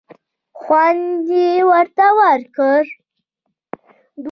خوند یې ورته ورکړ.